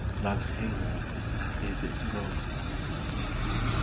Love's halo — is its goal.